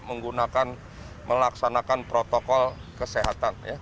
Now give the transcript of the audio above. menggunakan melaksanakan protokol kesehatan